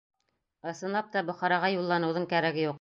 Ысынлап та Бохараға юлланыуҙың кәрәге юҡ.